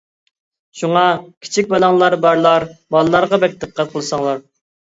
شۇڭا كىچىك بالاڭلار بارلار بالىلارغا بەك دىققەت قىلساڭلار.